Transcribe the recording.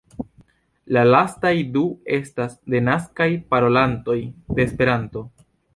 La lastaj du estas denaskaj parolantoj de Esperanto.